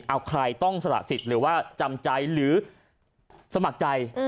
เอาใครต้องสละสิทธิ์หรือว่าจำใจหรือสมัครใจ